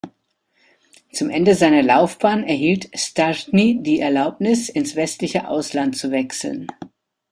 Zum Ende seiner Laufbahn erhielt Šťastný die Erlaubnis, ins westliche Ausland zu wechseln.